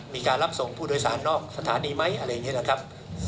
มีการรับส่งผู้โดยสารนอกสถานีไหมอะไรอย่างนี้นะครับ